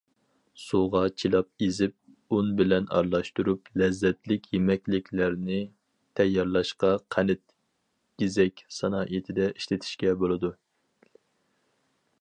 سۇغا چىلاپ ئېزىپ، ئۇن بىلەن ئارىلاشتۇرۇپ، لەززەتلىك يېمەكلىكلەرنى تەييارلاشقا، قەنت- گېزەك سانائىتىدە ئىشلىتىشكە بولىدۇ.